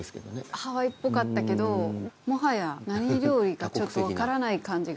ハワイっぽかったけどもはや何料理かちょっと分からない感じが。